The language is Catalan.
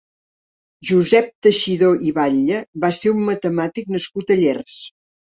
Josep Teixidor i Batlle va ser un matemàtic nascut a Llers.